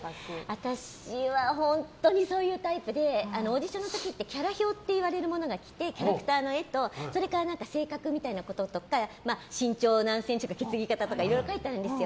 私は本当にそういうタイプでオーディションの時ってキャラ表って言われるものが来てキャラクターの絵と性格みたいなこととか身長何センチとか血液型とかいろいろ書いてあるんです。